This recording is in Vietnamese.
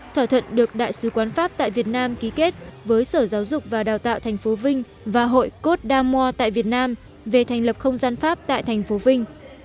thỏa thuận được đại sứ quán pháp tại việt nam ký kết với sở giáo dục và đào tạo thành phố vinh và hội cô đa moa tại việt nam về thành lập không gian pháp tại thành phố vinh